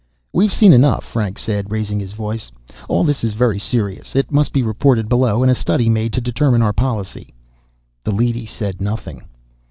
"We've seen enough," Franks said, raising his voice. "All this is very serious. It must be reported below and a study made to determine our policy." The leady said nothing.